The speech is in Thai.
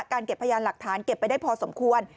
เก็บพยานหลักฐานเก็บไปได้พอสมควร